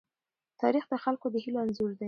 تاریخ د خلکو د هيلو انځور دی.